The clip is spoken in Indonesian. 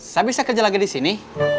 saya bisa kerja lagi disini